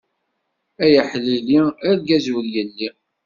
Ay aḥlili, argaz ur yelli.